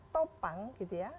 topang gitu ya